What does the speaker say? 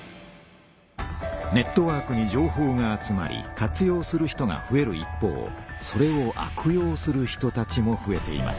ネットワークに情報が集まり活用する人がふえる一方それを悪用する人たちもふえています。